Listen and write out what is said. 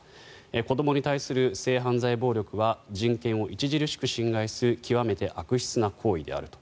子どもに対する性犯罪暴力は人権を著しく侵害する極めて悪質な行為であると。